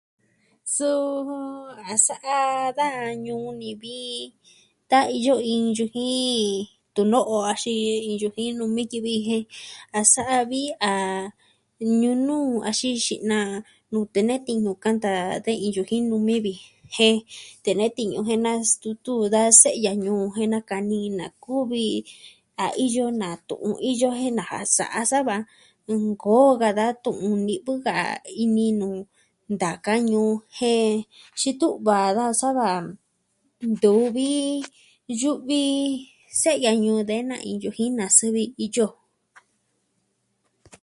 Suu a sa'a da ñuu ni vi, tan iyo iin yujin, tuno'o axin iin yujin nuu numi ki viji jen a sa'a vi a ñuu nu axin xi'na nuu tee ne tiñu kanta de iin yujin numi viji, jen tee nee tiñu jen nastutu da se'ya ñuu jen nakani nakuvi a iyo na tu'un iyo jen nasa sa'a sava nkoo ka da tu'un ni'vɨ ka ini nuu ntaka ñuu jen xitu'va daja sava, ntuvi yu'vi se'ya ñuu de na iin yujin nasɨ viji iyo jo.